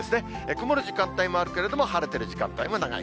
曇る時間帯もあるけれども、晴れてる時間帯も長い。